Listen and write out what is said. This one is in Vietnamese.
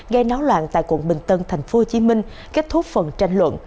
gây náo loạn tại quận bình tân tp hcm kết thúc phần tranh luận